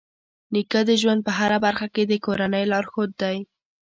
نیکه د ژوند په هره برخه کې د کورنۍ لارښود دی.